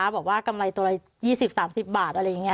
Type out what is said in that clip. บอกว่ากำลัยตัวอะไรยี่สิบสามสิบบาทอะไรอย่างเงี้ย